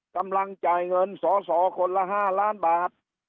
กำลังจ่ายเงินสอสอคนละ๕ล้านบาท